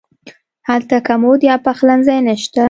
هلته کمود یا پخلنځی نه شته.